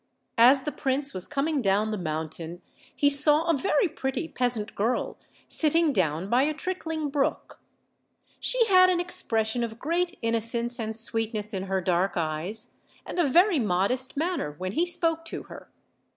As the prince was coming down the mountain he saw a very pretty peasant girl sitting down by a trickling brook. v She had an expression of great innocence and sweetness in. her dark eyes, and a very modest manner when he spoke to her.